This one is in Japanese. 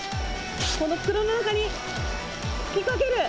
この袋の中に吹きかける。